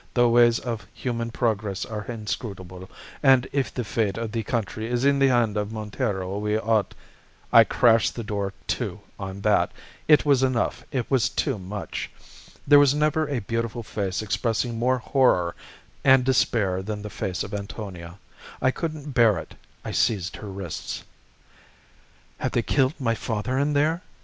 The ways of human progress are inscrutable, and if the fate of the country is in the hand of Montero, we ought ' "I crashed the door to on that; it was enough; it was too much. There was never a beautiful face expressing more horror and despair than the face of Antonia. I couldn't bear it; I seized her wrists. "'Have they killed my father in there?